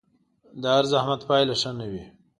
د هر زحمت پايله ښه نه وي